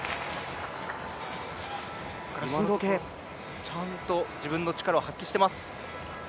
今のところ、ちゃんと自分の力を発揮しています。